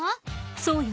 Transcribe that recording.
そうよ。